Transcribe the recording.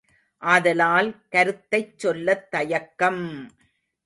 ஆதலால் கருத்தைச் சொல்லத் தயக்கம்!